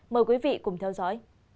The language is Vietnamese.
mời quý vị cùng theo dõi